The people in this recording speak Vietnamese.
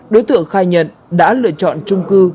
đối tượng khai nhận đã lựa chọn chung cư